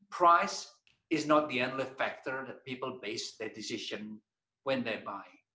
harga bukan faktor terakhir yang membuat orang membuat keputusan mereka ketika mereka membeli